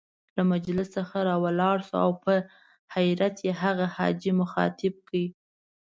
له مجلس څخه را ولاړ شو او په حيرت يې هغه حاجي مخاطب کړ.